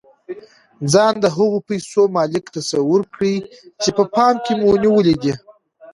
ځان د هغو پيسو مالک تصور کړئ چې په پام کې مو نيولې دي.